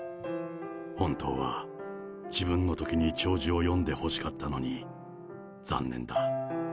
本当は自分のときに弔辞を読んでほしかったのに、残念だ。